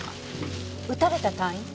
撃たれた隊員？